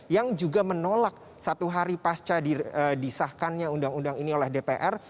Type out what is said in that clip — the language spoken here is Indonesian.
yang juga menolak satu hari pasca disahkannya undang undang ini oleh dpr